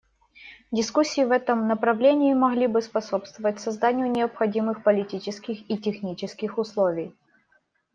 Дискуссии в этом направлении могли бы способствовать созданию необходимых политических и технических условий.